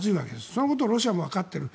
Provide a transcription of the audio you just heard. そのことをロシアもわかっている。